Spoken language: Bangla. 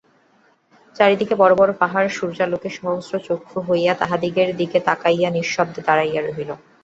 চারি দিকে বড়ো বড়ো পাহাড় সূর্যালোকে সহস্রচক্ষু হইয়া তাহাদিগের দিকে তাকাইয়া নিঃশব্দে দাঁড়াইয়া রহিল।